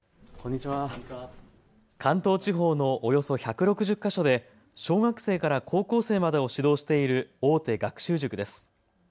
関東地方のおよそ１６０か所で小学生から高校生までを指導している大手学習塾です。